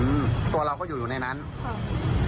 อืมตัวเราก็อยู่ในนั้นครับ